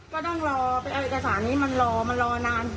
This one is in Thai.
ก็ต้องลองเอาคาส่านี้มันรอนาน